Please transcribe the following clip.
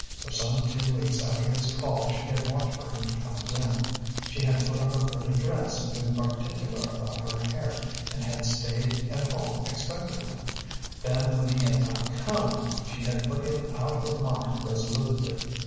For some two weeks after his call she had watched for him to come again; she had put on a pretty dress and been particular about her hair, and had stayed at home expecting him; then when he had not come, she had put him out of mind resolutely.